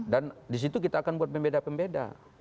dan di situ kita akan membuat pembeda pembeda